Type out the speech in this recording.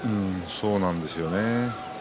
そうなんですよね。